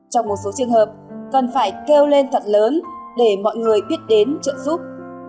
trong một số trường hợp cần phải kêu lên thật lớn để mọi người biết đến trợ giúp